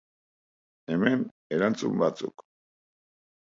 Hemen, erantzun batzuk.